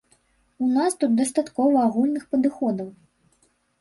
У нас тут дастаткова агульных падыходаў.